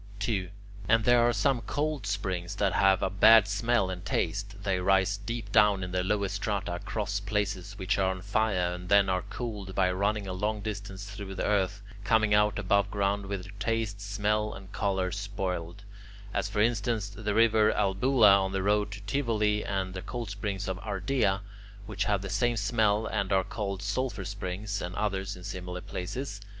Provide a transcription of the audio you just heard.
2. And there are some cold springs that have a bad smell and taste. They rise deep down in the lower strata, cross places which are on fire, and then are cooled by running a long distance through the earth, coming out above ground with their taste, smell, and colour spoiled; as, for instance, the river Albula on the road to Tivoli and the cold springs of Ardea, which have the same smell and are called sulphur springs, and others in similar places.